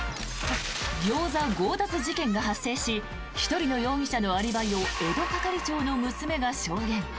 ギョーザ強奪事件が発生し１人の容疑者のアリバイを江戸係長の娘が証言。